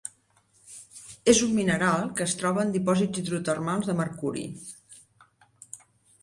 És un mineral que es troba en dipòsits hidrotermals de mercuri.